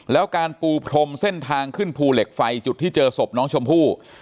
แล้วการปูพรมเส้นทางขึ้นภูเหล็กไฟจุดที่เจอศพน้องชมพู่